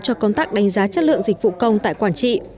cho công tác đánh giá chất lượng dịch vụ công tại quảng trị